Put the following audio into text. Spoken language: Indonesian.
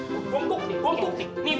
belom main curang belom main curang